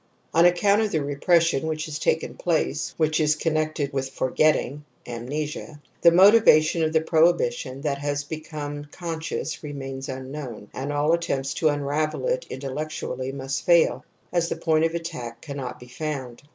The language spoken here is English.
On account of the repression which has taken place, which is connected with forget ting (amnesia), the motivation of the prohibi tion that has become conscious remains un known, and all attempts to unravel it intellec tually must fail, as the point of attack cannot be found.